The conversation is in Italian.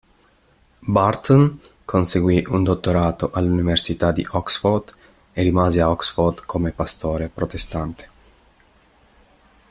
Burton conseguì un dottorato all'Università di Oxford e rimase a Oxford come pastore protestante.